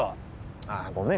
ああごめん